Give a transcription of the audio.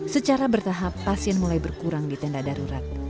secara bertahap pasien mulai berkurang di tenda darurat